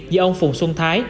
dưới ông phùng xuân thái